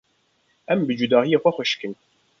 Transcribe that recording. Em bi cudahiyên xwe xweşik in.